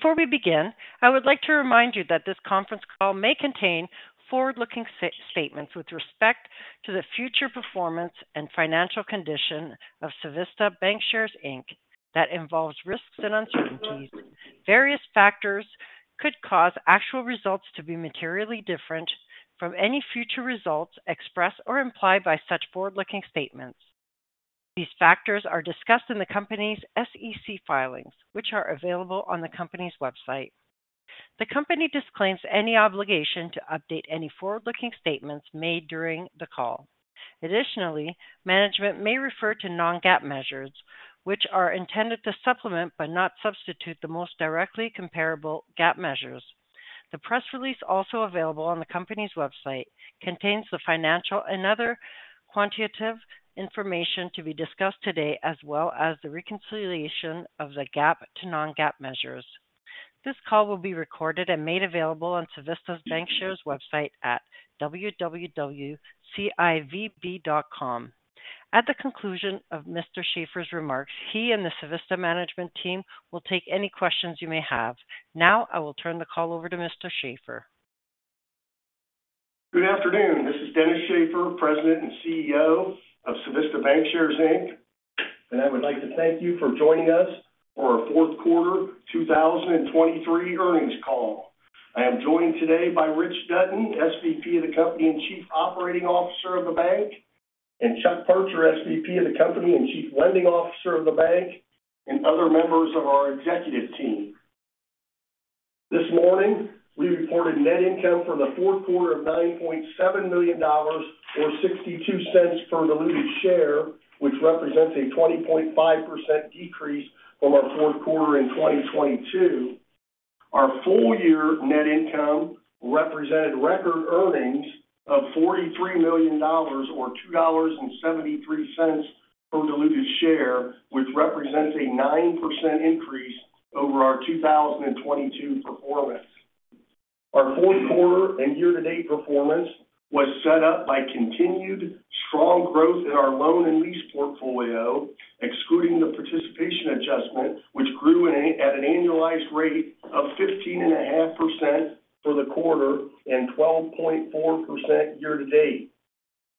Before we begin, I would like to remind you that this conference call may contain forward-looking statements with respect to the future performance and financial condition of Civista Bancshares, Inc. that involves risks and uncertainties. Various factors could cause actual results to be materially different from any future results expressed or implied by such forward-looking statements. These factors are discussed in the company's SEC filings, which are available on the company's website. The company disclaims any obligation to update any forward-looking statements made during the call. Additionally, management may refer to non-GAAP measures, which are intended to supplement but not substitute the most directly comparable GAAP measures. The press release, also available on the company's website, contains the financial and other quantitative information to be discussed today, as well as the reconciliation of the GAAP to non-GAAP measures. This call will be recorded and made available on Civista Bancshares' website at www.civb.com. At the conclusion of Mr. Shaffer's remarks, he and the Civista management team will take any questions you may have. Now I will turn the call over to Mr. Shaffer. Good afternoon. This is Dennis Shaffer, President and CEO of Civista Bancshares, Inc. I would like to thank you for joining us for our fourth quarter 2023 earnings call. I am joined today by Rich Dutton, SVP of the company and Chief Operating Officer of the bank, and Chuck Parcher, SVP of the company and Chief Lending Officer of the bank, and other members of our executive team. This morning, we reported net income for the fourth quarter of $9.7 million or $0.62 per diluted share, which represents a 20.5% decrease from our fourth quarter in 2022. Our full-year net income represented record earnings of $43 million or $2.73 per diluted share, which represents a 9% increase over our 2022 performance. Our fourth quarter and year-to-date performance was set up by continued strong growth in our loan and lease portfolio, excluding the participation adjustment, which grew at an annualized rate of 15.5% for the quarter and 12.4% year-to-date.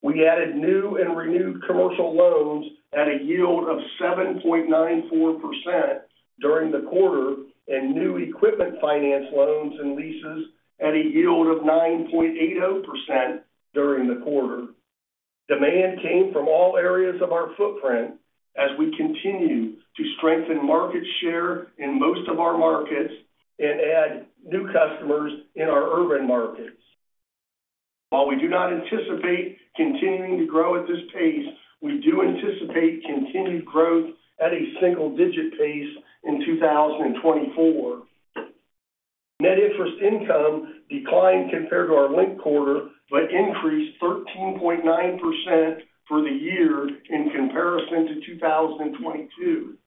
We added new and renewed commercial loans at a yield of 7.94% during the quarter and new equipment finance loans and leases at a yield of 9.80% during the quarter. Demand came from all areas of our footprint as we continue to strengthen market share in most of our markets and add new customers in our urban markets. While we do not anticipate continuing to grow at this pace, we do anticipate continued growth at a single-digit pace in 2024. Net interest income declined compared to our linked quarter but increased 13.9% for the year in comparison to 2022.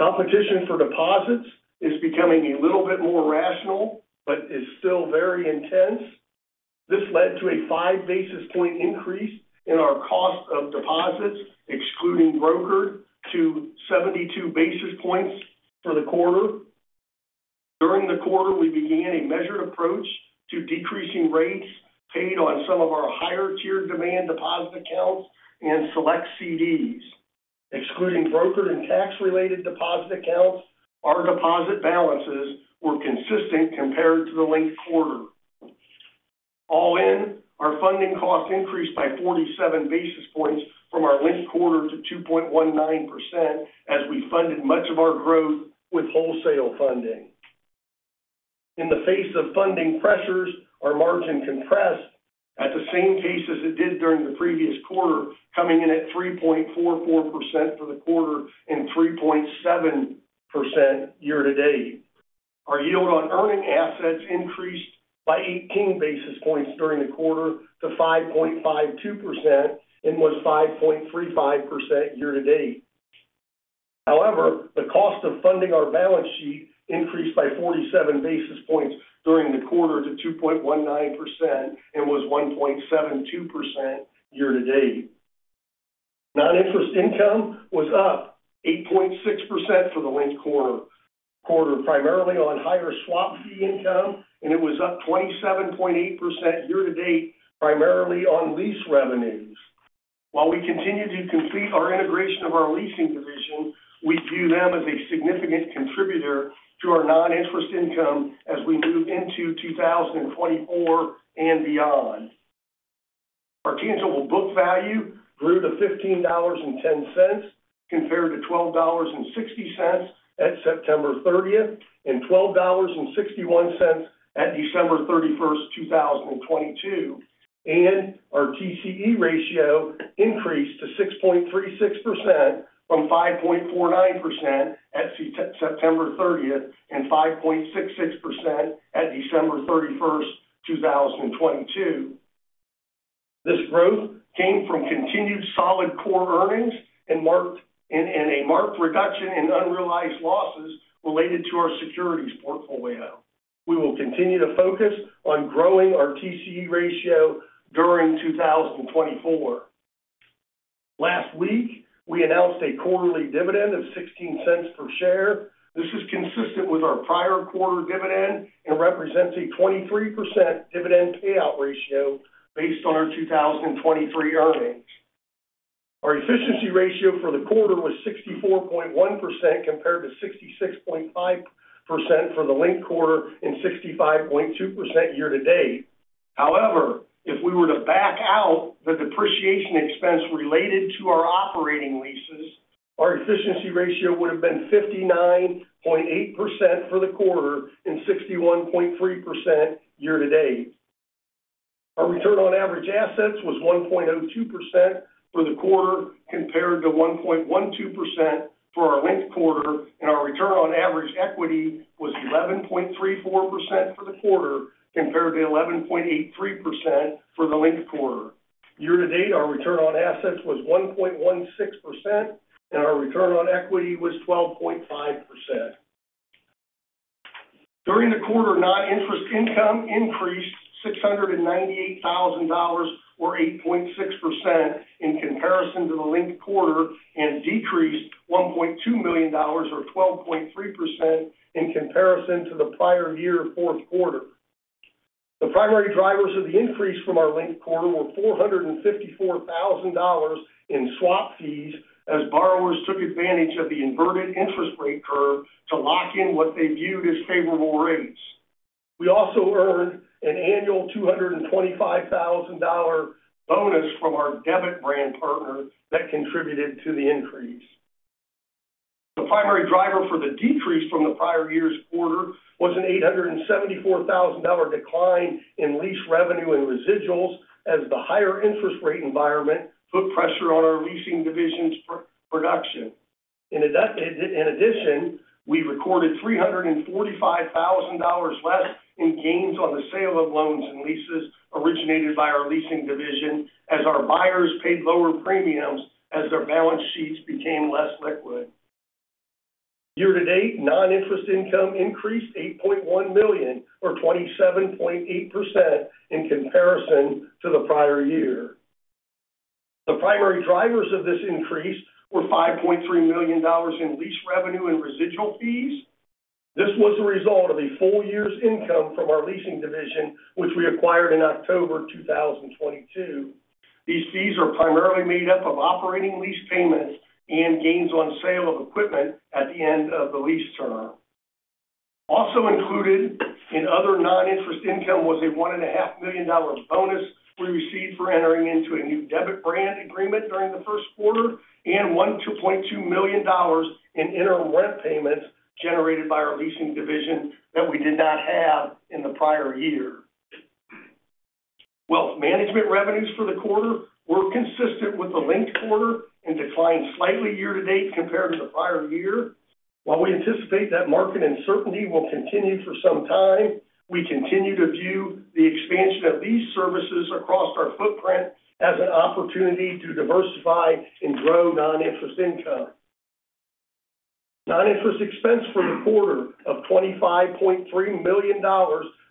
Competition for deposits is becoming a little bit more rational but is still very intense. This led to a 5 basis point increase in our cost of deposits, excluding brokered, to 72 basis points for the quarter. During the quarter, we began a measured approach to decreasing rates paid on some of our higher-tiered demand deposit accounts and select CDs. Excluding brokered and tax-related deposit accounts, our deposit balances were consistent compared to the linked quarter. All in, our funding cost increased by 47 basis points from our linked quarter to 2.19% as we funded much of our growth with wholesale funding. In the face of funding pressures, our margin compressed at the same pace as it did during the previous quarter, coming in at 3.44% for the quarter and 3.7% year-to-date. Our yield on earning assets increased by 18 basis points during the quarter to 5.52% and was 5.35% year-to-date. However, the cost of funding our balance sheet increased by 47 basis points during the quarter to 2.19% and was 1.72% year-to-date. Non-interest income was up 8.6% for the linked quarter, primarily on higher swap fee income, and it was up 27.8% year-to-date, primarily on lease revenues. While we continue to complete our integration of our leasing division, we view them as a significant contributor to our non-interest income as we move into 2024 and beyond. Our tangible book value grew to $15.10 compared to $12.60 at September 30th and $12.61 at December 31st, 2022. Our TCE ratio increased to 6.36% from 5.49% at September 30th and 5.66% at December 31st, 2022. This growth came from continued solid core earnings and a marked reduction in unrealized losses related to our securities portfolio. We will continue to focus on growing our TCE ratio during 2024. Last week, we announced a quarterly dividend of $0.16 per share. This is consistent with our prior quarter dividend and represents a 23% dividend payout ratio based on our 2023 earnings. Our efficiency ratio for the quarter was 64.1% compared to 66.5% for the linked quarter and 65.2% year-to-date. However, if we were to back out the depreciation expense related to our operating leases, our efficiency ratio would have been 59.8% for the quarter and 61.3% year-to-date. Our return on average assets was 1.02% for the quarter compared to 1.12% for our linked quarter, and our return on average equity was 11.34% for the quarter compared to 11.83% for the linked quarter. Year-to-date, our return on assets was 1.16%, and our return on equity was 12.5%. During the quarter, non-interest income increased $698,000 or 8.6% in comparison to the linked quarter and decreased $1.2 million or 12.3% in comparison to the prior year fourth quarter. The primary drivers of the increase from our linked quarter were $454,000 in swap fees as borrowers took advantage of the inverted interest rate curve to lock in what they viewed as favorable rates. We also earned an annual $225,000 bonus from our debit brand partner that contributed to the increase. The primary driver for the decrease from the prior year's quarter was an $874,000 decline in lease revenue and residuals as the higher interest rate environment put pressure on our leasing division's production. In addition, we recorded $345,000 less in gains on the sale of loans and leases originated by our leasing division as our buyers paid lower premiums as their balance sheets became less liquid. Year-to-date, non-interest income increased $8.1 million or 27.8% in comparison to the prior year. The primary drivers of this increase were $5.3 million in lease revenue and residual fees. This was the result of a full year's income from our leasing division, which we acquired in October 2022. These fees are primarily made up of operating lease payments and gains on sale of equipment at the end of the lease term. Also included in other non-interest income was a $1.5 million bonus we received for entering into a new debit brand agreement during the first quarter and $12.2 million in interim rent payments generated by our leasing division that we did not have in the prior year. Wealth management revenues for the quarter were consistent with the linked quarter and declined slightly year-to-date compared to the prior year. While we anticipate that market uncertainty will continue for some time, we continue to view the expansion of lease services across our footprint as an opportunity to diversify and grow non-interest income. Non-interest expense for the quarter of $25.3 million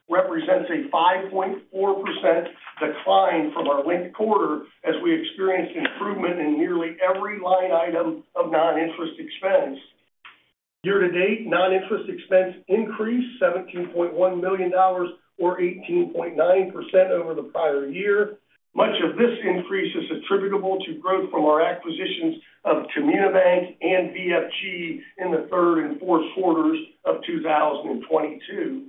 represents a 5.4% decline from our linked quarter as we experienced improvement in nearly every line item of non-interest expense. Year-to-date, non-interest expense increased $17.1 million or 18.9% over the prior year. Much of this increase is attributable to growth from our acquisitions of Comunibanc and VFG in the third and fourth quarters of 2022.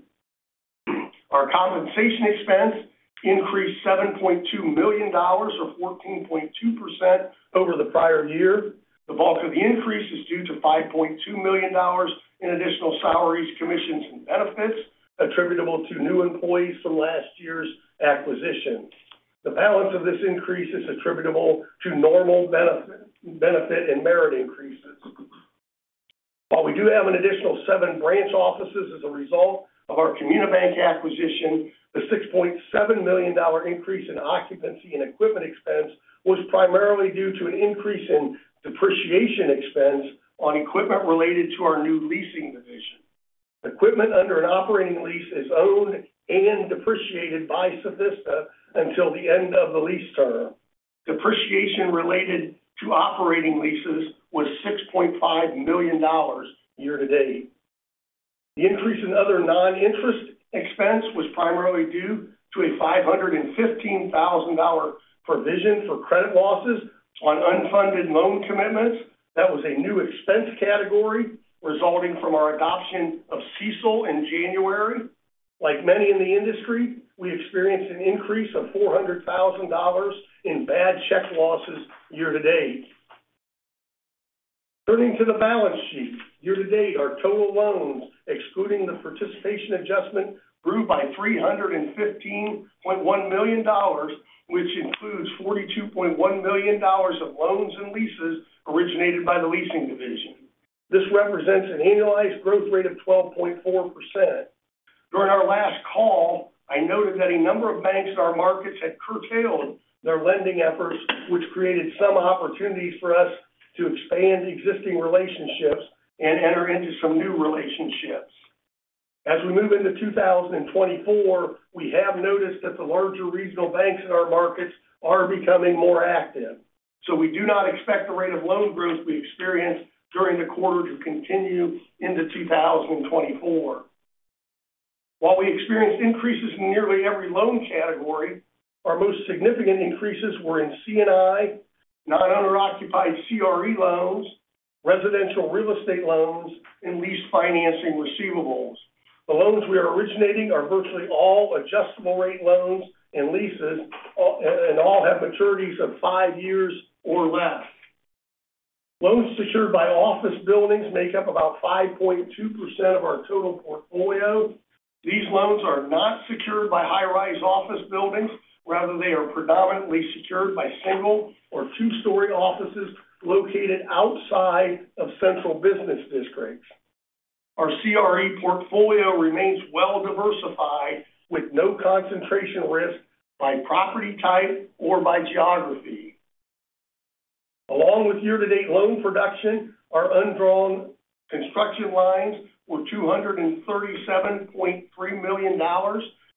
Our compensation expense increased $7.2 million or 14.2% over the prior year. The bulk of the increase is due to $5.2 million in additional salaries, commissions, and benefits attributable to new employees from last year's acquisition. The balance of this increase is attributable to normal benefit and merit increases. While we do have an additional seven branch offices as a result of our Comunibanc acquisition, the $6.7 million increase in occupancy and equipment expense was primarily due to an increase in depreciation expense on equipment related to our new leasing division. Equipment under an operating lease is owned and depreciated by Civista until the end of the lease term. Depreciation related to operating leases was $6.5 million year-to-date. The increase in other non-interest expense was primarily due to a $515,000 provision for credit losses on unfunded loan commitments. That was a new expense category resulting from our adoption of CECL in January. Like many in the industry, we experienced an increase of $400,000 in bad check losses year-to-date. Turning to the balance sheet, year-to-date, our total loans, excluding the participation adjustment, grew by $315.1 million, which includes $42.1 million of loans and leases originated by the leasing division. This represents an annualized growth rate of 12.4%. During our last call, I noted that a number of banks in our markets had curtailed their lending efforts, which created some opportunities for us to expand existing relationships and enter into some new relationships. As we move into 2024, we have noticed that the larger regional banks in our markets are becoming more active. We do not expect the rate of loan growth we experienced during the quarter to continue into 2024. While we experienced increases in nearly every loan category, our most significant increases were in C&I, non-owner-occupied CRE loans, residential real estate loans, and lease financing receivables. The loans we are originating are virtually all adjustable-rate loans and leases, and all have maturities of five years or less. Loans secured by office buildings make up about 5.2% of our total portfolio. These loans are not secured by high-rise office buildings. Rather, they are predominantly secured by single or two-story offices located outside of central business districts. Our CRE portfolio remains well-diversified with no concentration risk by property type or by geography. Along with year-to-date loan production, our undrawn construction lines were $237.3 million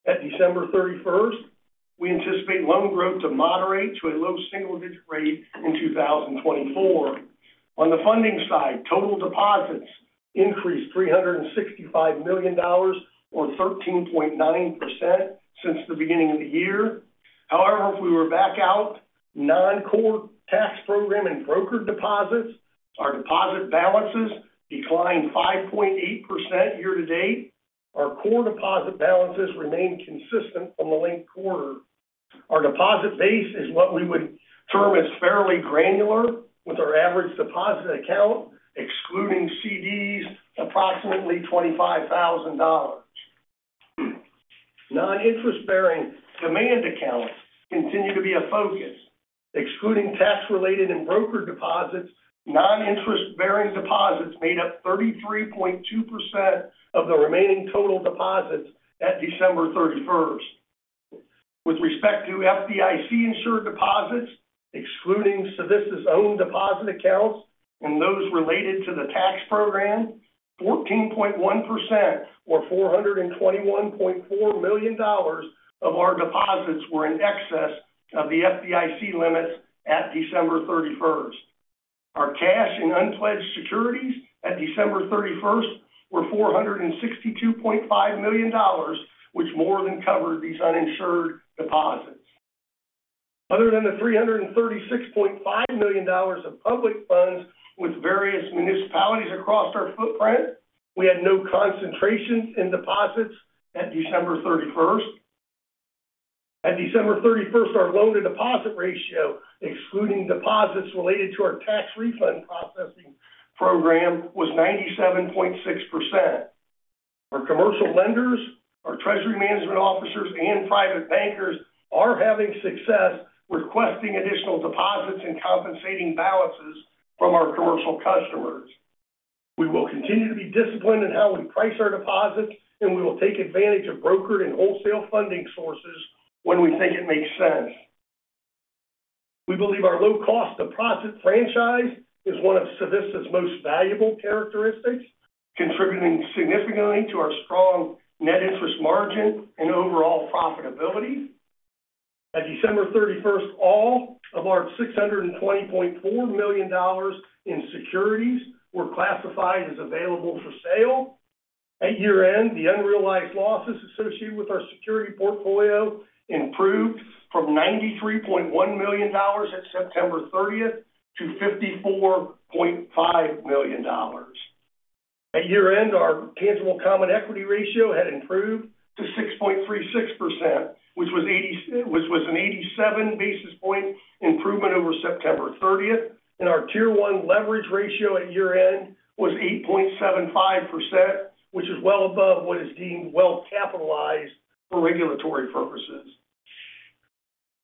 at December 31st. W-e anticipate loan growth to moderate to a low single-digit rate in 2024. On the funding side, total deposits increased $365 million or 13.9% since the beginning of the year. However, if we were back out non-core tax program and brokered deposits, our deposit balances declined 5.8% year-to-date. Our core deposit balances remain consistent from the linked quarter. Our deposit base is what we would term as fairly granular with our average deposit account, excluding CDs, approximately $25,000. Non-interest-bearing demand accounts continue to be a focus, excluding tax-related and brokered deposits. Non-interest-bearing deposits made up 33.2% of the remaining total deposits at December 31st. With respect to FDIC-insured deposits, excluding Civista's own deposit accounts and those related to the tax program, 14.1% or $421.4 million of our deposits were in excess of the FDIC limits at December 31st. Our cash and unpledged securities at December 31st were $462.5 million, which more than covered these uninsured deposits. Other than the $336.5 million of public funds with various municipalities across our footprint, we had no concentrations in deposits at December 31st. At December 31st, our loan-to-deposit ratio, excluding deposits related to our tax refund processing program, was 97.6%. Our commercial lenders, our Treasury management officers, and private bankers are having success requesting additional deposits and compensating balances from our commercial customers. We will continue to be disciplined in how we price our deposits, and we will take advantage of brokered and wholesale funding sources when we think it makes sense. We believe our low-cost deposit franchise is one of Civista's most valuable characteristics, contributing significantly to our strong net interest margin and overall profitability. At December 31st, all of our $620.4 million in securities were classified as available for sale. At year-end, the unrealized losses associated with our security portfolio improved from $93.1 million at September 30th to $54.5 million. At year-end, our tangible common equity ratio had improved to 6.36%, which was an 87 basis point improvement over September 30th. Our Tier 1 leverage ratio at year-end was 8.75%, which is well above what is deemed well capitalized for regulatory purposes.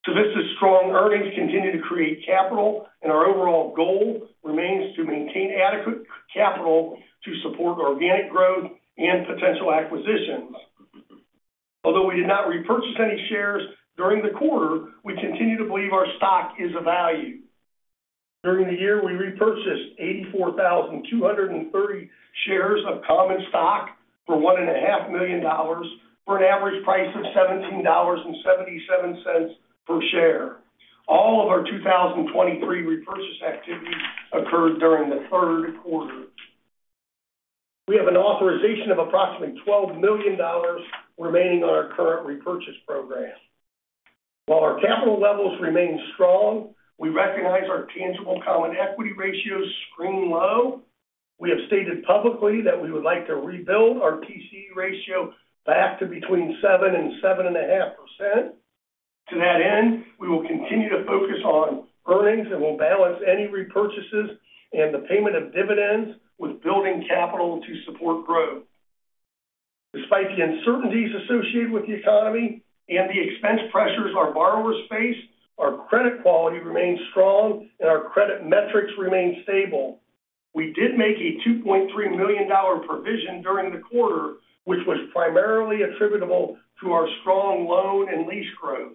Civista's strong earnings continue to create capital, and our overall goal remains to maintain adequate capital to support organic growth and potential acquisitions. Although we did not repurchase any shares during the quarter, we continue to believe our stock is of value. During the year, we repurchased 84,230 shares of common stock for $1.5 million for an average price of $17.77 per share. All of our 2023 repurchase activity occurred during the third quarter. We have an authorization of approximately $12 million remaining on our current repurchase program. While our capital levels remain strong, we recognize our tangible common equity ratios scream low. We have stated publicly that we would like to rebuild our TCE ratio back to between 7% and 7.5%. To that end, we will continue to focus on earnings and will balance any repurchases and the payment of dividends with building capital to support growth. Despite the uncertainties associated with the economy and the expense pressures our borrowers face, our credit quality remains strong, and our credit metrics remain stable. We did make a $2.3 million provision during the quarter, which was primarily attributable to our strong loan and lease growth.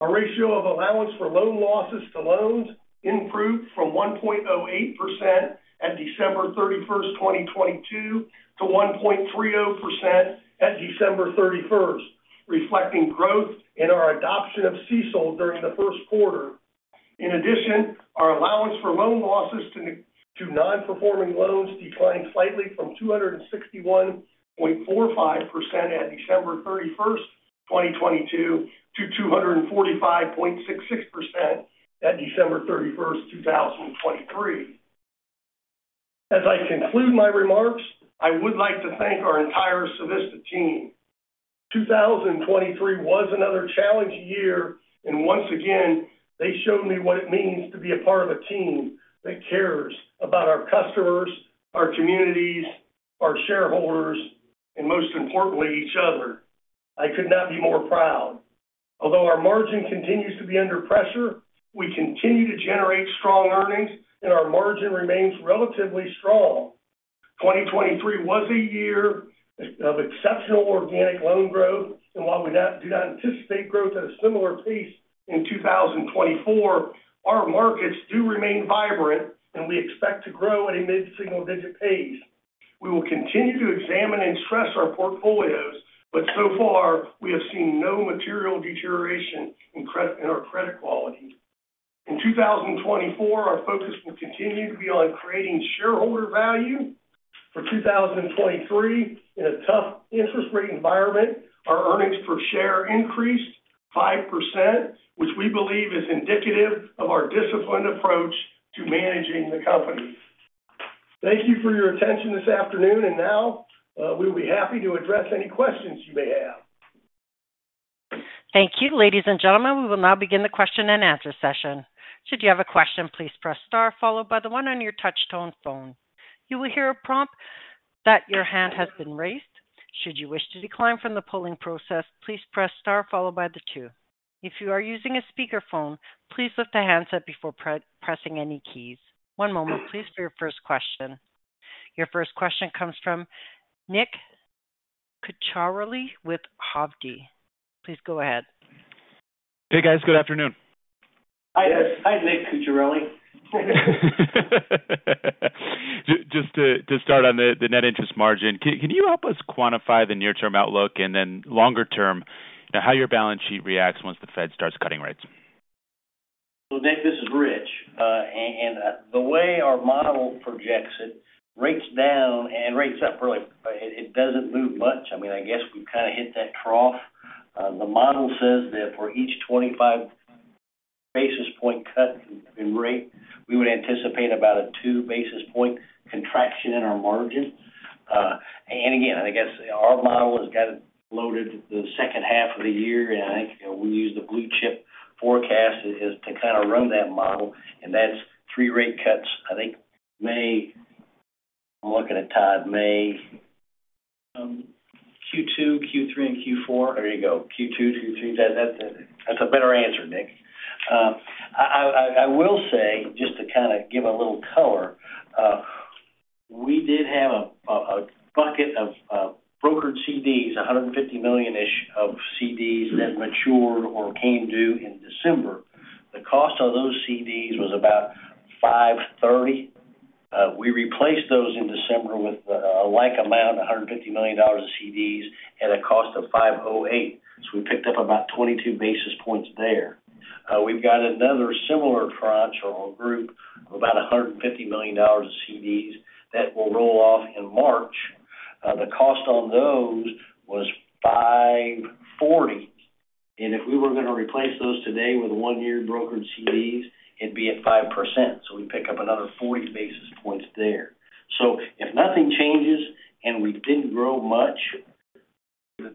Our ratio of allowance for loan losses to loans improved from 1.08% at December 31st, 2022, to 1.30% at December 31st, reflecting growth in our adoption of CECL during the first quarter. In addition, our allowance for loan losses to non-performing loans declined slightly from 261.45% at December 31st, 2022, to 245.66% at December 31st, 2023. As I conclude my remarks, I would like to thank our entire Civista team. 2023 was another challenging year, and once again, they showed me what it means to be a part of a team that cares about our customers, our communities, our shareholders, and most importantly, each other. I could not be more proud. Although our margin continues to be under pressure, we continue to generate strong earnings, and our margin remains relatively strong. 2023 was a year of exceptional organic loan growth, and while we do not anticipate growth at a similar pace in 2024, our markets do remain vibrant, and we expect to grow at a mid-single-digit pace. We will continue to examine and stress our portfolios, but so far, we have seen no material deterioration in our credit quality. In 2024, our focus will continue to be on creating shareholder value. For 2023, in a tough interest rate environment, our earnings per share increased 5%, which we believe is indicative of our disciplined approach to managing the company. Thank you for your attention this afternoon, and now we will be happy to address any questions you may have. Thank you. Ladies and gentlemen, we will now begin the question and answer session. Should you have a question, please press star, followed by the one on your touch-tone phone. You will hear a prompt that your hand has been raised. Should you wish to decline from the polling process, please press star, followed by the two. If you are using a speakerphone, please lift the handset before pressing any keys. One moment, please, for your first question. Your first question comes from Nick Cucinelli with Hovde. Please go ahead. Hey, guys. Good afternoon. Hi, Nick Cucinelli. Just to start on the net interest margin, can you help us quantify the near-term outlook and then longer-term how your balance sheet reacts once the Fed starts cutting rates? Well, Nick, this is Rich. The way our model projects it, rates down and rates up, really, it doesn't move much. I mean, I guess we've kind of hit that trough. The model says that for each 25 basis point cut in rate, we would anticipate about a two basis point contraction in our margin. And again, I guess our model has got it loaded the second half of the year, and I think we use the Blue Chip forecast to kind of run that model. And that's three rate cuts, I think, maybe I'm looking at Todd, maybe Q2, Q3, and Q4. There you go. Q2, Q3. That's a better answer, Nick. I will say, just to kind of give a little color, we did have a bucket of brokered CDs, $150 million-ish of CDs that matured or came due in December. The cost of those CDs was about $530. We replaced those in December with a like amount, $150 million of CDs at a cost of $508. So we picked up about 22 basis points there. We've got another similar tranche or group of about $150 million of CDs that will roll off in March. The cost on those was $540. And if we were going to replace those today with one-year brokered CDs, it'd be at 5%. So we'd pick up another 40 basis points there. So if nothing changes and we didn't grow much,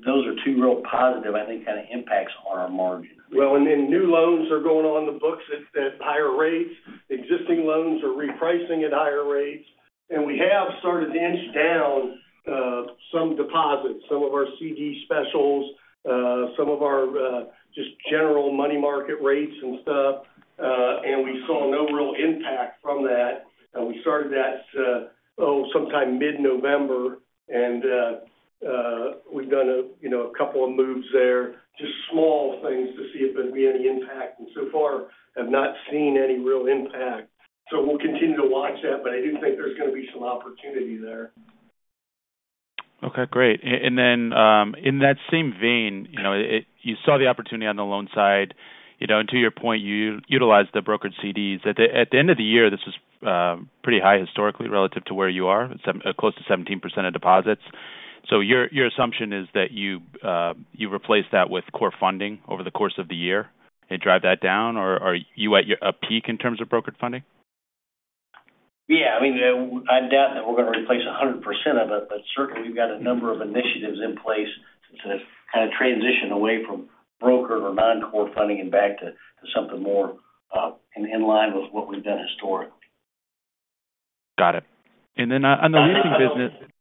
those are two real positive, I think, kind of impacts on our margin. Well, and then new loans are going on the books at higher rates. Existing loans are repricing at higher rates. And we have started to inch down some deposits, some of our CD specials, some of our just general money market rates and stuff. And we saw no real impact from that. We started that, oh, sometime mid-November. And we've done a couple of moves there, just small things to see if there'd be any impact. And so far, have not seen any real impact. So we'll continue to watch that, but I do think there's going to be some opportunity there. Okay. Great. And then in that same vein, you saw the opportunity on the loan side. And to your point, you utilized the brokered CDs. At the end of the year, this was pretty high historically relative to where you are, close to 17% of deposits. So your assumption is that you replaced that with core funding over the course of the year and drive that down, or are you at a peak in terms of brokered funding? Yeah. I mean, I doubt that we're going to replace 100% of it, but certainly, we've got a number of initiatives in place to kind of transition away from brokered or non-core funding and back to something more in line with what we've done historically. Got it. And then on the leasing business.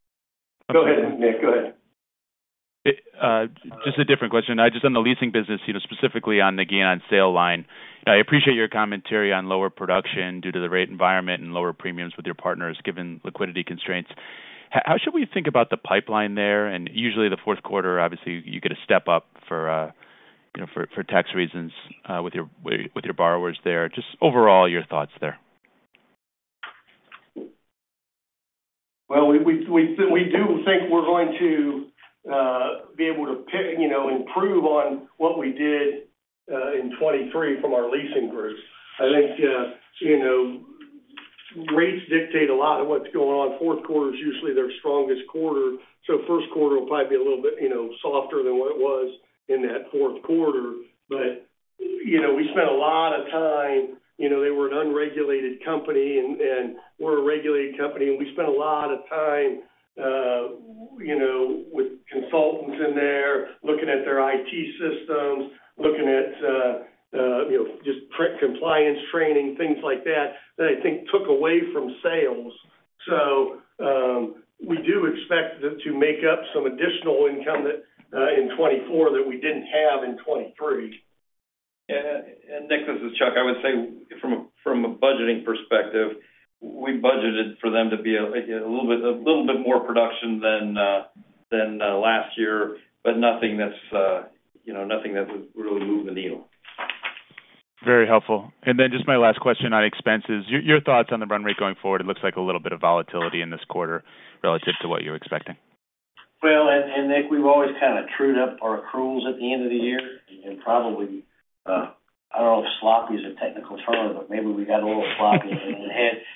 Go ahead, Nick. Go ahead. Just a different question. Just on the leasing business, specifically on the Gain on Sale line, I appreciate your commentary on lower production due to the rate environment and lower premiums with your partners given liquidity constraints. How should we think about the pipeline there? And usually, the fourth quarter, obviously, you get a step up for tax reasons with your borrowers there. Just overall, your thoughts there. Well, we do think we're going to be able to improve on what we did in 2023 from our leasing group. I think rates dictate a lot of what's going on. Fourth quarter is usually their strongest quarter. So first quarter will probably be a little bit softer than what it was in that fourth quarter. But we spent a lot of time. They were an unregulated company, and we're a regulated company. And we spent a lot of time with consultants in there looking at their IT systems, looking at just compliance training, things like that that I think took away from sales. So we do expect to make up some additional income in 2024 that we didn't have in 2023. Nick, this is Chuck. I would say from a budgeting perspective, we budgeted for them to be a little bit more production than last year, but nothing that's nothing that would really move the needle. Very helpful. And then just my last question on expenses, your thoughts on the run rate going forward? It looks like a little bit of volatility in this quarter relative to what you're expecting. Well, and Nick, we've always kind of trued up our accruals at the end of the year. And probably, I don't know if sloppy is a technical term, but maybe we got a little sloppy and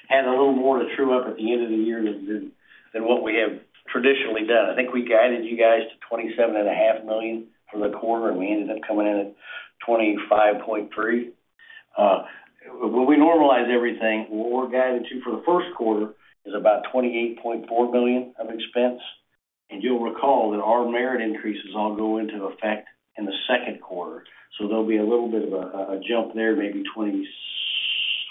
had a little more to true up at the end of the year than what we have traditionally done. I think we guided you guys to $27.5 million for the quarter, and we ended up coming in at $25.3 million. When we normalize everything, what we're guided to for the first quarter is about $28.4 million of expense. And you'll recall that our merit increases all go into effect in the second quarter. So there'll be a little bit of a jump there, maybe $28.7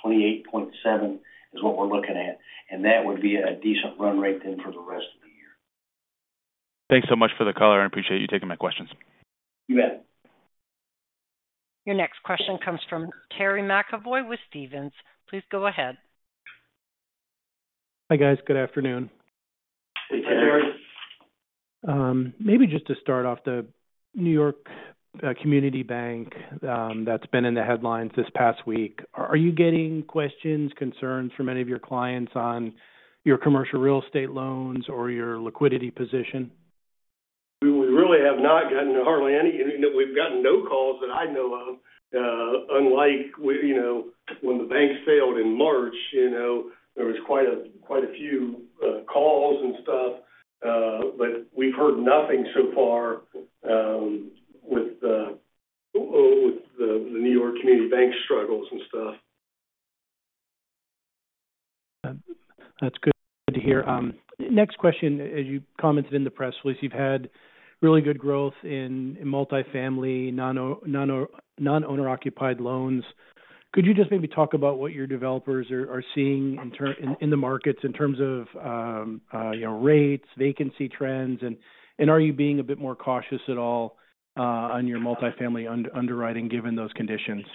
million is what we're looking at. And that would be a decent run rate then for the rest of the year. Thanks so much for the color. I appreciate you taking my questions. You bet. Your next question comes from Terry McEvoy with Stephens. Please go ahead. Hi, guys. Good afternoon. Hey, Terry. Maybe just to start off, the New York Community Bank that's been in the headlines this past week, are you getting questions, concerns from any of your clients on your commercial real estate loans or your liquidity position? We really have not gotten hardly any. We've gotten no calls that I know of. Unlike when the bank failed in March, there was quite a few calls and stuff. But we've heard nothing so far with the New York Community Bank struggles and stuff. That's good to hear. Next question, as you commented in the press, Dennis, you've had really good growth in multifamily, non-owner-occupied loans. Could you just maybe talk about what your developers are seeing in the markets in terms of rates, vacancy trends? And are you being a bit more cautious at all on your multifamily underwriting given those conditions?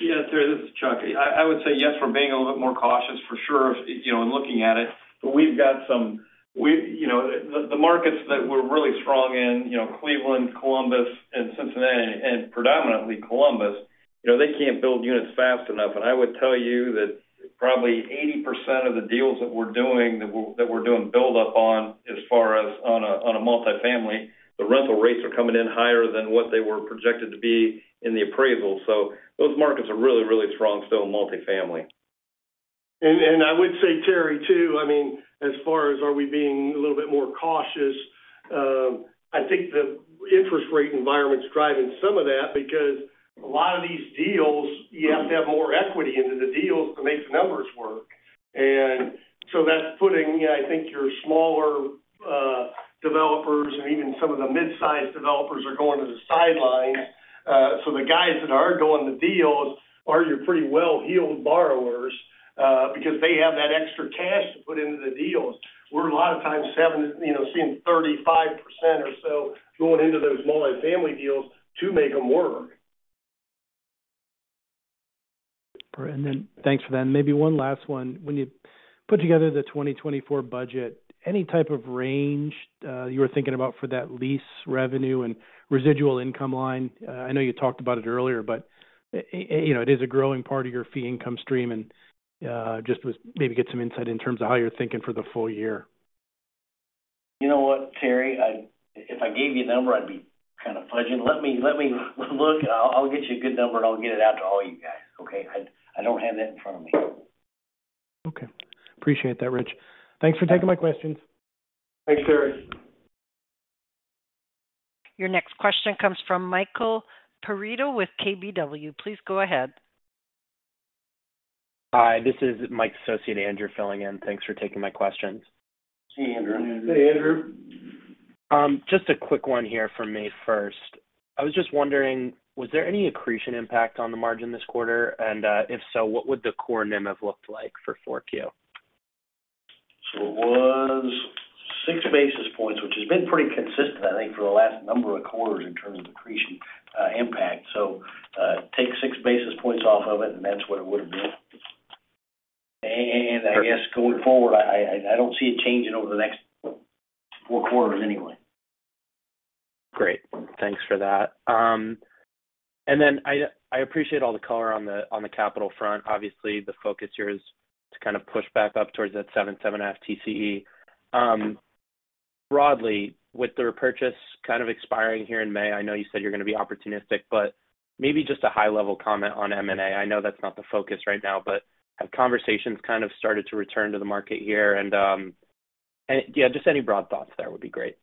Yeah, Terry, this is Chuck. I would say yes, we're being a little bit more cautious for sure in looking at it. But we've got some of the markets that we're really strong in, Cleveland, Columbus, and Cincinnati, and predominantly Columbus, they can't build units fast enough. And I would tell you that probably 80% of the deals that we're doing that we're doing buildup on as far as on a multifamily, the rental rates are coming in higher than what they were projected to be in the appraisal. So those markets are really, really strong still in multifamily. And I would say, Terry, too, I mean, as far as are we being a little bit more cautious, I think the interest rate environment's driving some of that because a lot of these deals, you have to have more equity into the deals to make the numbers work. And so that's putting, yeah, I think your smaller developers and even some of the midsize developers are going to the sidelines. So the guys that are doing the deals are your pretty well-heeled borrowers because they have that extra cash to put into the deals. We're a lot of times seeing 35% or so going into those multifamily deals to make them work. And then thanks for that. And maybe one last one. When you put together the 2024 budget, any type of range you were thinking about for that lease revenue and residual income line? I know you talked about it earlier, but it is a growing part of your fee income stream. And just maybe get some insight in terms of how you're thinking for the full year. You know what, Terry? If I gave you a number, I'd be kind of fudging. Let me look, and I'll get you a good number, and I'll get it out to all you guys, okay? I don't have that in front of me. Okay. Appreciate that, Rich. Thanks for taking my questions. Thanks, Terry. Your next question comes from Michael Perito with KBW. Please go ahead. Hi. This is Mike's associate, Andrew, filling in. Thanks for taking my questions. Hey, Andrew. Hey, Andrew. Just a quick one here for me first. I was just wondering, was there any accretion impact on the margin this quarter? And if so, what would the core NIM have looked like for 4Q? It was 6 basis points, which has been pretty consistent, I think, for the last number of quarters in terms of accretion impact. Take 6 basis points off of it, and that's what it would have been. I guess going forward, I don't see it changing over the next 4 quarters anyway. Great. Thanks for that. And then I appreciate all the color on the capital front. Obviously, the focus here is to kind of push back up towards that 7, 7.5 TCE. Broadly, with the repurchase kind of expiring here in May, I know you said you're going to be opportunistic, but maybe just a high-level comment on M&A. I know that's not the focus right now, but have conversations kind of started to return to the market here? And yeah, just any broad thoughts there would be great.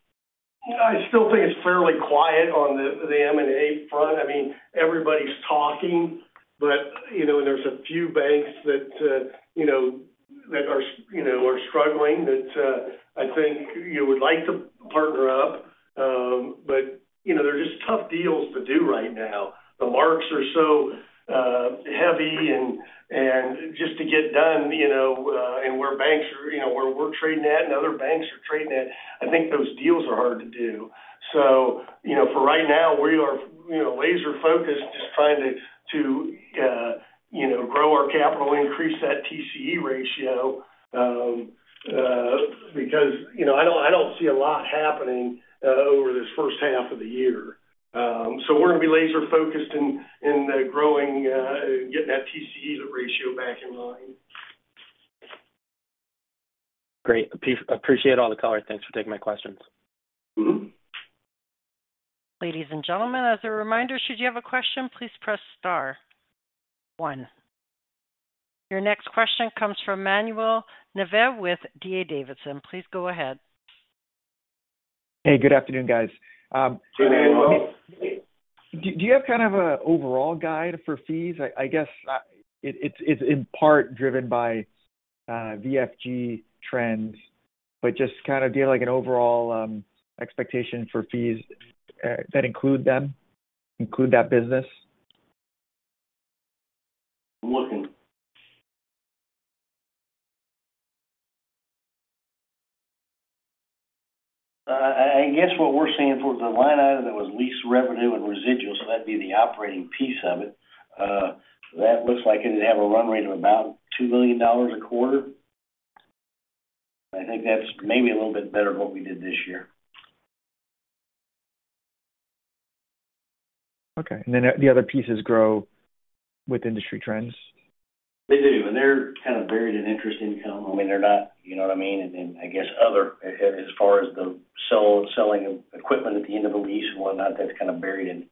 I still think it's fairly quiet on the M&A front. I mean, everybody's talking, but there's a few banks that are struggling that I think would like to partner up. But they're just tough deals to do right now. The marks are so heavy. And just to get done and where banks are where we're trading at and other banks are trading at, I think those deals are hard to do. So for right now, we are laser-focused just trying to grow our capital, increase that TCE ratio because I don't see a lot happening over this first half of the year. So we're going to be laser-focused in getting that TCE ratio back in line. Great. Appreciate all the color. Thanks for taking my questions. Ladies and gentlemen, as a reminder, should you have a question, please press star one. Your next question comes from Manuel Navas with D.A. Davidson. Please go ahead. Hey, good afternoon, guys. Hey, Manuel. Do you have kind of an overall guide for fees? I guess it's in part driven by VFG trends, but just kind of do you have an overall expectation for fees that include them, include that business? I'm looking. I guess what we're seeing for the line item that was lease revenue and residual, so that'd be the operating piece of it, that looks like it'd have a run rate of about $2 million a quarter. I think that's maybe a little bit better than what we did this year. Okay. Then the other pieces grow with industry trends? They do. And they're kind of buried in interest income. I mean, they're not—you know what I mean? And then I guess other, as far as the selling of equipment at the end of a lease and whatnot, that's kind of buried in.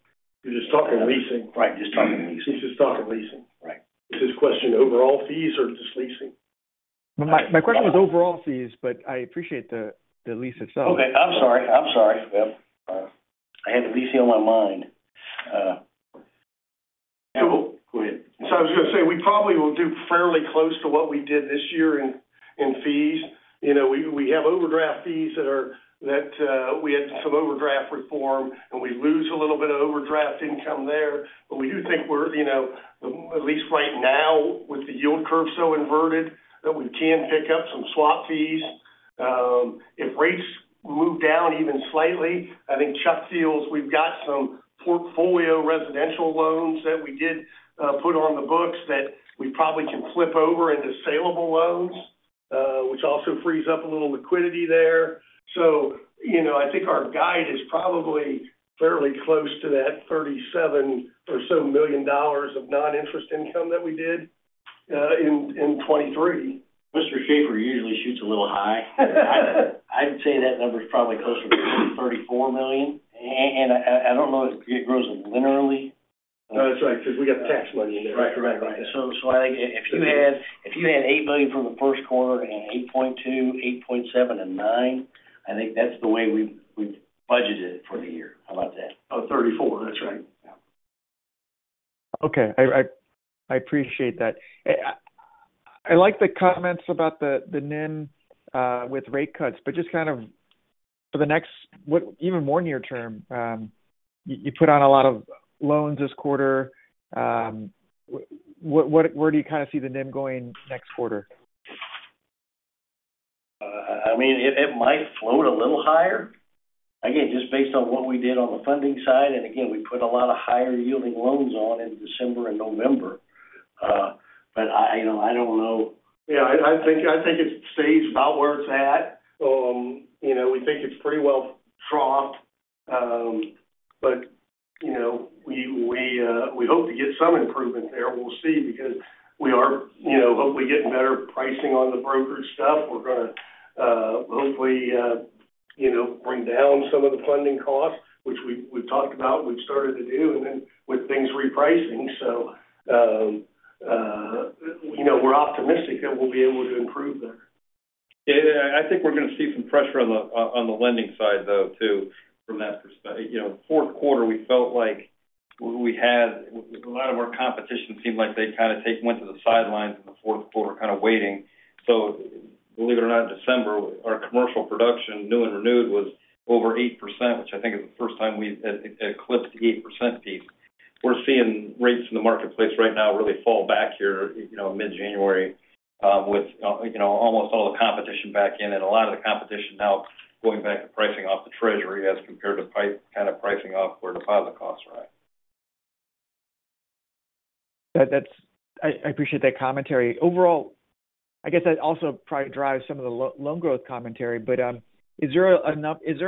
You're just talking leasing. Right. Just talking leasing. He's just talking leasing. Right. Is his question overall fees or just leasing? My question was overall fees, but I appreciate the lease itself. Okay. I'm sorry. I'm sorry. Yeah. I had the lease on my mind. Go ahead. So I was going to say we probably will do fairly close to what we did this year in fees. We have overdraft fees that we had some overdraft reform, and we lose a little bit of overdraft income there. But we do think we're at least right now with the yield curve so inverted that we can pick up some swap fees. If rates move down even slightly, I think Chuck feels we've got some portfolio residential loans that we did put on the books that we probably can flip over into saleable loans, which also frees up a little liquidity there. So I think our guide is probably fairly close to that $37 million or so of non-interest income that we did in 2023. Mr. Shaffer usually shoots a little high. I'd say that number's probably closer to $34 million. I don't know if it grows linearly. No, that's right because we got tax money in there. Right. Right. Right. So I think if you had $8 million from the first quarter and $8.2 million, $8.7 million, and $9 million, I think that's the way we've budgeted it for the year. How about that? Oh, $34 million. That's right. Yeah. Okay. I appreciate that. I like the comments about the NIM with rate cuts, but just kind of for the next even more near term, you put on a lot of loans this quarter. Where do you kind of see the NIM going next quarter? I mean, it might float a little higher. Again, just based on what we did on the funding side. Again, we put a lot of higher-yielding loans on in December and November. I don't know. Yeah. I think it stays about where it's at. We think it's pretty well troughed. But we hope to get some improvement there. We'll see because we are hopefully getting better pricing on the brokerage stuff. We're going to hopefully bring down some of the funding costs, which we've talked about. We've started to do and then with things repricing. So we're optimistic that we'll be able to improve there. Yeah. I think we're going to see some pressure on the lending side, though, too, from that perspective. Fourth quarter, we felt like we had a lot of our competition seemed like they kind of went to the sidelines in the fourth quarter, kind of waiting. So believe it or not, in December, our commercial production, new and renewed, was over 8%, which I think is the first time we've eclipsed the 8% piece. We're seeing rates in the marketplace right now really fall back here mid-January with almost all the competition back in and a lot of the competition now going back to pricing off the Treasury as compared to kind of pricing off where deposit costs are. I appreciate that commentary. Overall, I guess that also probably drives some of the loan growth commentary. But is there an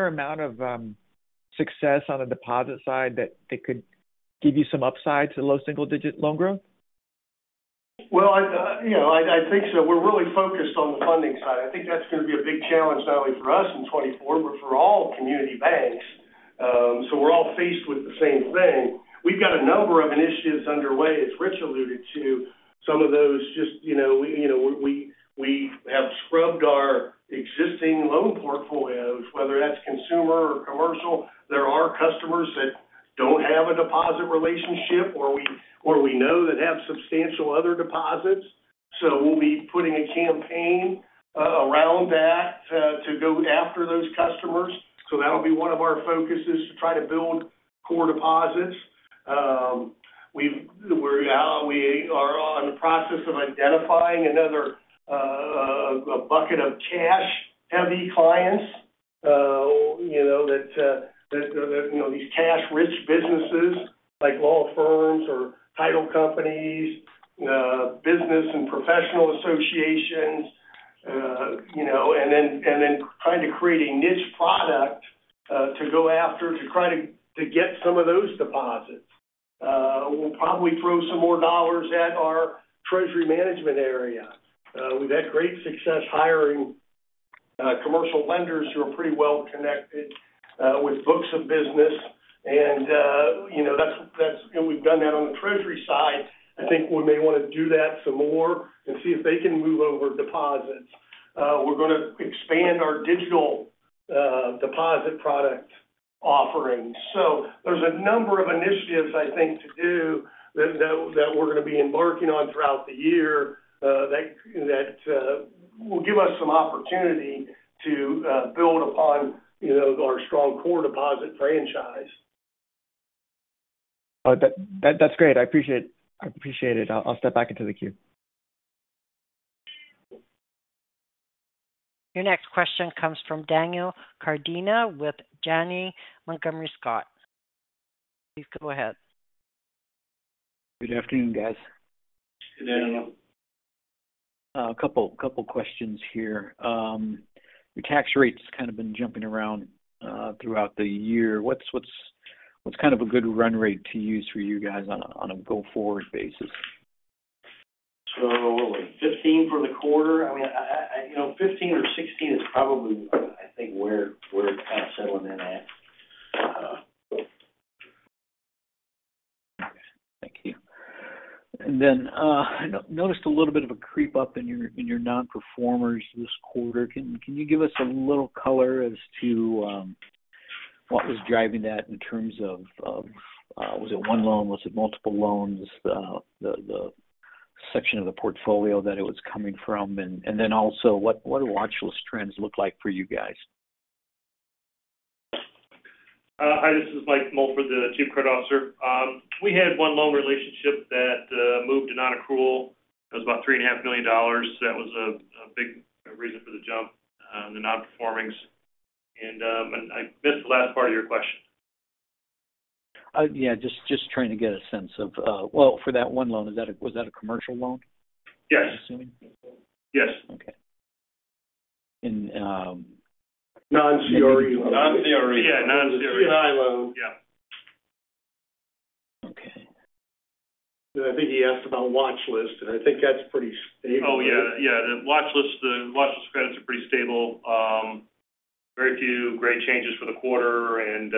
amount of success on the deposit side that could give you some upside to low single-digit loan growth? Well, I think so. We're really focused on the funding side. I think that's going to be a big challenge not only for us in 2024, but for all community banks. So we're all faced with the same thing. We've got a number of initiatives underway, as Rich alluded to, some of those just we have scrubbed our existing loan portfolios, whether that's consumer or commercial. There are customers that don't have a deposit relationship or we know that have substantial other deposits. So we'll be putting a campaign around that to go after those customers. So that'll be one of our focuses to try to build core deposits. We are in the process of identifying another bucket of cash-heavy clients that these cash-rich businesses like law firms or title companies, business and professional associations, and then trying to create a niche product to go after to try to get some of those deposits. We'll probably throw some more dollars at our Treasury management area. We've had great success hiring commercial lenders who are pretty well connected with books of business. We've done that on the Treasury side. I think we may want to do that some more and see if they can move over deposits. We're going to expand our digital deposit product offering. There's a number of initiatives, I think, to do that we're going to be embarking on throughout the year that will give us some opportunity to build upon our strong core deposit franchise. That's great. I appreciate it. I'll step back into the queue. Your next question comes from Daniel Cardenas with Janney Montgomery Scott. Please go ahead. Good afternoon, guys. Good afternoon. A couple of questions here. Your tax rate's kind of been jumping around throughout the year. What's kind of a good run rate to use for you guys on a go-forward basis? What was it? 15 for the quarter? I mean, 15% or 16% is probably, I think, where we're kind of settling in at. Okay. Thank you. And then I noticed a little bit of a creep-up in your non-performers this quarter. Can you give us a little color as to what was driving that in terms of was it one loan? Was it multiple loans? The section of the portfolio that it was coming from? And then also, what do watchlist trends look like for you guys? Hi. This is Mike Mulford the Chief Credit Officer. We had one loan relationship that moved to non-accrual. It was about $3.5 million. That was a big reason for the jump in the non-performings. And I missed the last part of your question. Yeah. Just trying to get a sense of, well, for that one loan, was that a commercial loan? I'm assuming? Yes. Yes. Okay. And. Non-CRE loan. Non-CRE. Yeah. Non-CRE. It's a C&I loan. Yeah. Okay. Because I think he asked about watchlist, and I think that's pretty stable. Oh, yeah. Yeah. The watchlist credits are pretty stable. Very few great changes for the quarter and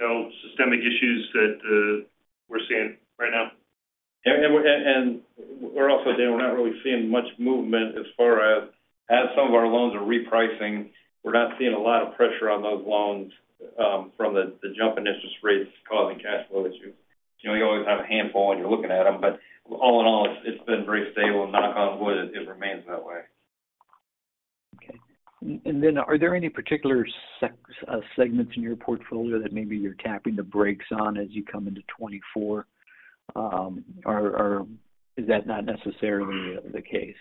no systemic issues that we're seeing right now. We're also saying we're not really seeing much movement as far as some of our loans are repricing. We're not seeing a lot of pressure on those loans from the jump in interest rates causing cash flow issues. You always have a handful when you're looking at them. But all in all, it's been very stable. Knock on wood, it remains that way. Okay. And then are there any particular segments in your portfolio that maybe you're tapping the brakes on as you come into 2024? Or is that not necessarily the case?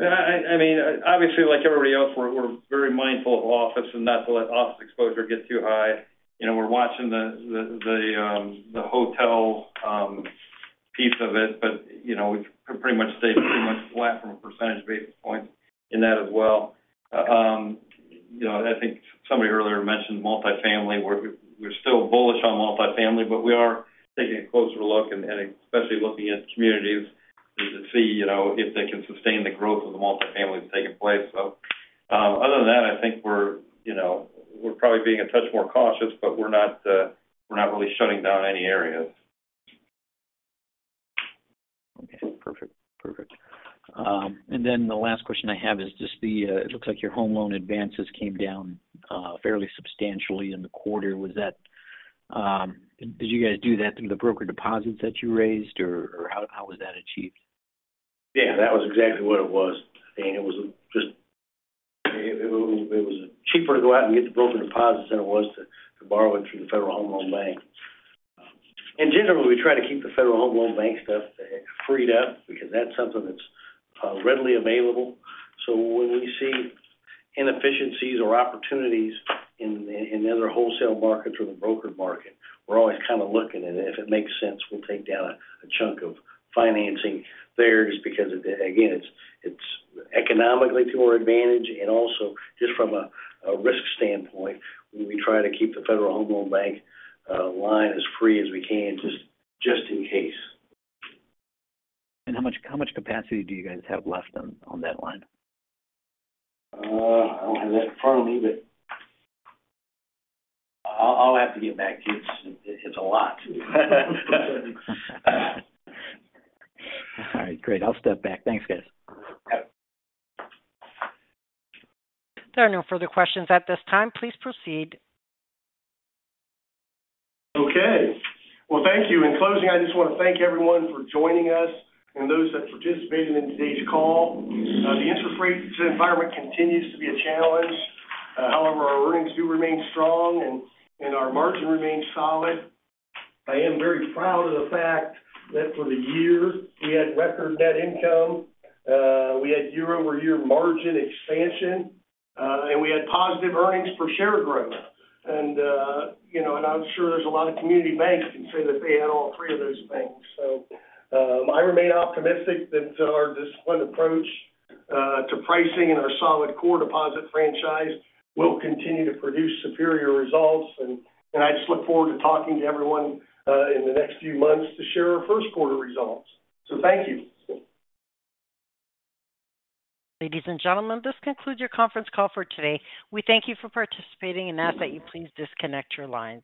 I mean, obviously, like everybody else, we're very mindful of office and not to let office exposure get too high. We're watching the hotel piece of it, but we've pretty much stayed pretty much flat from a percentage basis point. In that as well. I think somebody earlier mentioned multifamily. We're still bullish on multifamily, but we are taking a closer look, and especially looking at communities, to see if they can sustain the growth of the multifamilies taking place. So other than that, I think we're probably being a touch more cautious, but we're not really shutting down any areas. Okay. Perfect. Perfect. And then the last question I have is just, it looks like your home loan advances came down fairly substantially in the quarter. Did you guys do that through the broker deposits that you raised, or how was that achieved? Yeah. That was exactly what it was. I mean, it was just it was cheaper to go out and get the broker deposits than it was to borrow it through the Federal Home Loan Bank. And generally, we try to keep the Federal Home Loan Bank stuff freed up because that's something that's readily available. So when we see inefficiencies or opportunities in other wholesale markets or the brokered market, we're always kind of looking at it. If it makes sense, we'll take down a chunk of financing there just because, again, it's economically to our advantage. And also just from a risk standpoint, we try to keep the Federal Home Loan Bank line as free as we can just in case. How much capacity do you guys have left on that line? I don't have that in front of me, but I'll have to get back to you. It's a lot. All right. Great. I'll step back. Thanks, guys. There are no further questions at this time. Please proceed. Okay. Well, thank you. In closing, I just want to thank everyone for joining us and those that participated in today's call. The interest rates environment continues to be a challenge. However, our earnings do remain strong, and our margin remains solid. I am very proud of the fact that for the year, we had record net income. We had year-over-year margin expansion, and we had positive earnings per share growth. And I'm sure there's a lot of community banks that can say that they had all three of those things. So I remain optimistic that our disciplined approach to pricing and our solid core deposit franchise will continue to produce superior results. And I just look forward to talking to everyone in the next few months to share our first quarter results. So thank you. Ladies and gentlemen, this concludes your conference call for today. We thank you for participating, and ask that you please disconnect your lines.